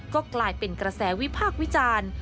ก็กลายเป็นกระแสวิพากษ์วิจารณ์